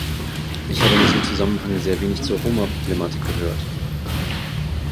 Ich habe in diesem Zusammenhang sehr wenig zur Roma-Problematik gehört.